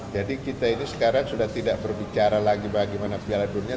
jadi kita ini sekarang sudah tidak berbicara lagi bagaimana piala dunia